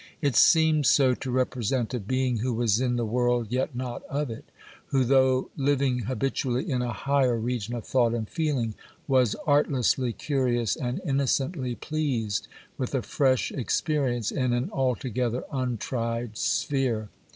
It seemed so to represent a being who was in the world, yet not of it,—who, though living habitually in a higher region of thought and feeling, was artlessly curious, and innocently pleased with a fresh experience in an altogether untried sphere.